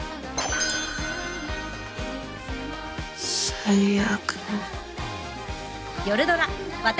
最悪。